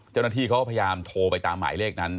เจ้าหน้าที่เขาก็พยายามโทรไปตามหมายเลขนั้น